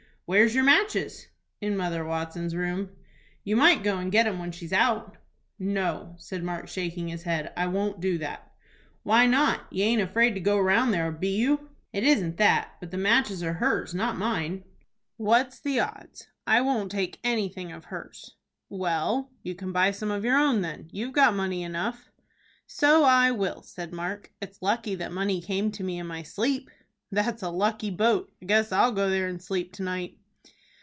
"Where's your matches?" "In Mother Watson's room." "You might go and get 'em when she's out." "No," said Mark, shaking his head. "I won't do that." "Why not? You aint afraid to go round there, be you?" "It isn't that, but the matches are hers, not mine." "What's the odds?" "I won't take anything of hers." "Well, you can buy some of your own, then. You've got money enough." "So I will," said Mark. "It's lucky that money came to me in my sleep." "That's a lucky boat. I guess I'll go there and sleep to night."